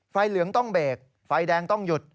เหลืองต้องเบรกไฟแดงต้องหยุด